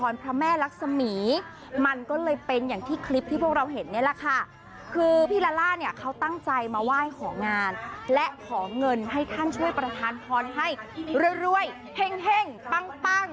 และประทานพรให้เรื่อยเผ็งปั้ง